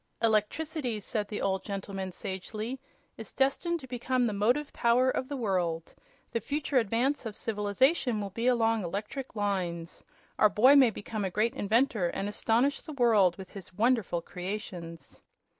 "Electricity," said the old gentleman, sagely, "is destined to become the motive power of the world. The future advance of civilization will be along electrical lines. Our boy may become a great inventor and astonish the world with his wonderful creations."